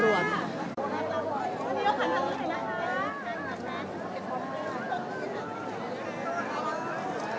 และที่อยู่ด้านหลังคุณยิ่งรักนะคะก็คือนางสาวคัตยาสวัสดีผลนะคะ